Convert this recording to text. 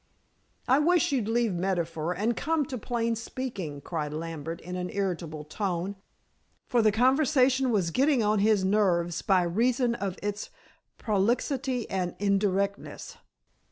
"I wish you'd leave metaphor and come to plain speaking," cried Lambert in an irritable tone, for the conversation was getting on his nerves by reason of its prolixity and indirectness.